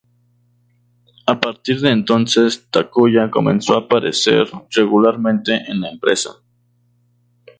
A partir de entonces, Takuya comenzó a aparecer regularmente en la empresa.